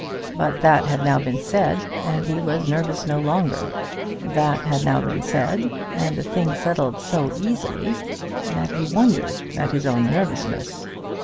But that had now been said, and he was nervous no longer. That had now been said, and the thing settled so easily, that he wondered at his own nervousness.